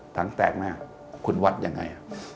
ถังแตกมากคุณวัดยังไง